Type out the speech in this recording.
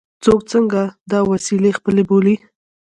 څوک څنګه دا وسیلې خپلې وبولي.